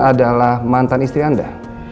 adalah mantan istri anda